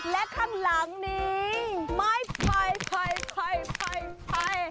และข้างหลังนี้ไม้ไฟ